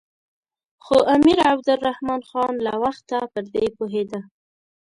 خو امیر عبدالرحمن خان له وخته پر دې پوهېده.